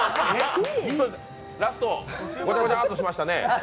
ラスト、ごちゃごちゃっとしましたね。